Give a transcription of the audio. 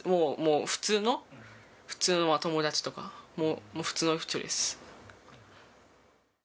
もう普通の、普通の友達とか、普通の人です。